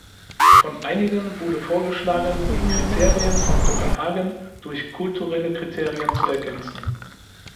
Von einigen wurde vorgeschlagen, die Kriterien von Kopenhagen durch kulturelle Kriterien zu ergänzen.